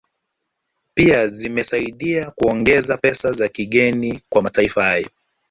Pia zimesaidaia kuongeza pesa za kigeni kwa mataifa hayo